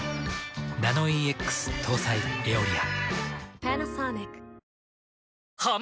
ナノイーＸ搭載「エオリア」。